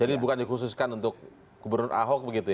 jadi ini bukan dikhususkan untuk gubernur ahok begitu ya